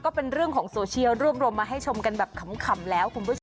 ก็เป็นเรื่องของโซเชียลรวมมาให้ชมกันแบบขำแล้ว